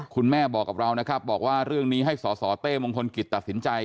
คุณแม่บอกกับเรานะครับบอกว่าเรื่องนี้ให้สสเต้มงคลกิจตัดสินใจ